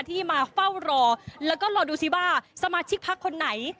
ที่มาเฝ้ารอแล้วก็รอดูสิว่าสมาชิกพักคนไหน